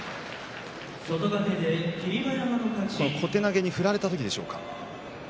小手投げに振られた時でしょうか。